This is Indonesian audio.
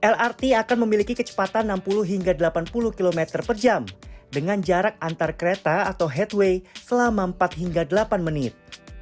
lrt akan memiliki kecepatan enam puluh hingga delapan puluh km per jam dengan jarak antar kereta atau headway selama empat hingga delapan menit